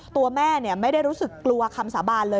ตัวแม่ไม่ได้รู้สึกกลัวคำสาบานเลย